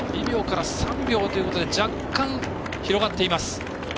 ２秒から３秒ということで若干広がっています。